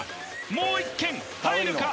もう１件入るか？